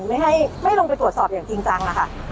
ไม่ให้ลงไปตรวจสอบอย่างจริงจัง